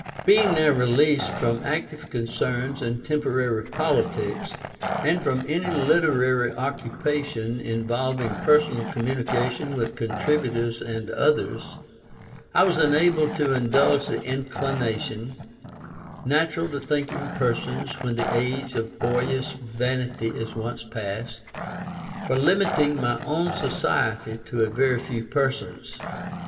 Being now released from any active concern in temporary politics, and from any literary occupation involving personal communication with contributors and others, I was enabled to indulge the inclination, natural to thinking persons when the age of boyish vanity is once past, for limiting my own society to a very few persons.